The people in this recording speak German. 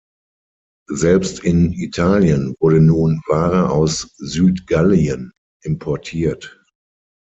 Selbst in Italien wurde nun Ware aus Südgallien importiert.